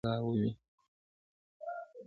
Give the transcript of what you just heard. • ژر به محتسبه د رندانو آزار ووینې -